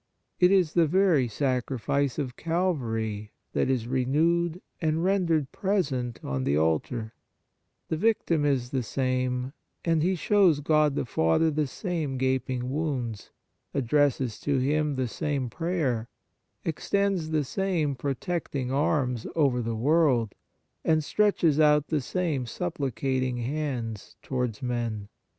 It is the very sacrifice of Calvary that is renewed and rendered present on the altar ; the Victim is the same, and He shows God the Father the same gaping wounds, addresses to him the same prayer, extends the same pro tecting arms over the world, and stretches out the same supplicating hands towards men.